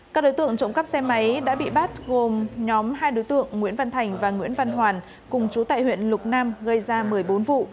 các đối tượng trộm cắp xe máy đã bị bắt gồm nhóm hai đối tượng nguyễn văn thành và nguyễn văn hoàn cùng chú tại huyện lục nam gây ra một mươi bốn vụ